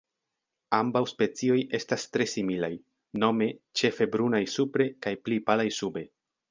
Ambaŭ specioj estas tre similaj, nome ĉefe brunaj supre kaj pli palaj sube.